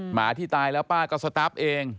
หมาที่ตายแล้วป้าก็สตาร์ฟเอง